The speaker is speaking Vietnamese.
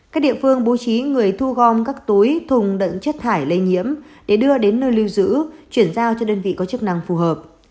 các địa phương bố trí người thu gom các túi thùng đựng chất thải lây nhiễm để đưa đến nơi lưu giữ chuyển giao cho đơn vị có chức năng phù hợp